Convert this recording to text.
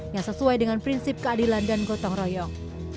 yang sesuai dengan prinsip keadilan dan gotong royong